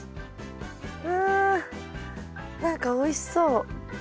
わ何かおいしそう。